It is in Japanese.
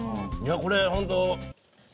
これホント。